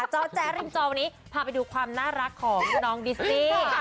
จอแจ๊ริมจอวันนี้พาไปดูความน่ารักของน้องดิสซี่